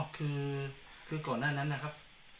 คือก่อนหน้านั้นนะครับ